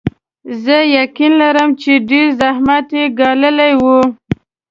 زه یقین لرم چې ډېر زحمت یې ګاللی وي.